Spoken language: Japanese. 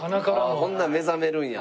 ほんなら目覚めるんや。